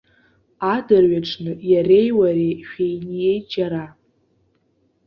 Адырҩаҽны иареи уареи шәеиниеит џьара.